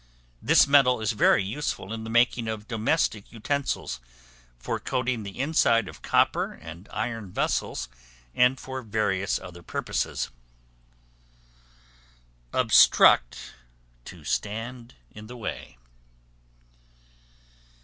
This metal is very useful in the making of domestic utensils, for coating the inside of copper and iron vessels, and for various other purposes. Obstruct, to stand in the way.